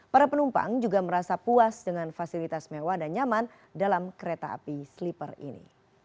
para penumpang juga merasa puas dengan fasilitas mewah dan nyaman dalam kereta api sleeper ini